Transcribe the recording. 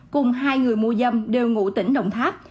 cùng hai người mua dâm đều ngụ tỉnh đồng tháp